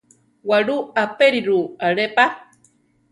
Waʼlú apériru alé pa.